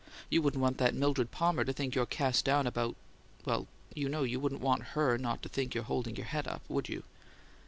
You wouldn't want that Mildred Palmer to think you're cast down about well, you know you wouldn't want HER not to think you're holding your head up, would you?"